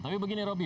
tapi begini robby